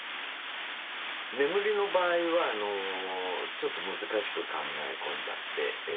眠りの場合はちょっと難しく考え込んじゃって。